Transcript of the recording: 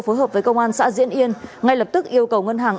phối hợp với công an xã diễn yên ngay lập tức yêu cầu ngân hàng